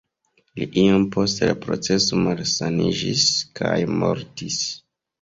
Li iom post la proceso malsaniĝis kaj mortis.